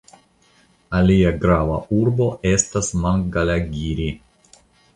Alia grava urbo estas Mangalagiri.